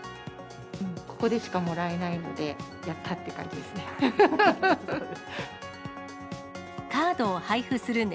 ここでしかもらえないので、やったって感じですね。